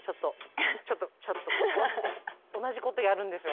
ちょっとちょっとここ」って同じことやるんですよ